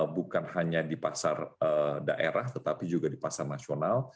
bukan hanya di pasar daerah tetapi juga di pasar nasional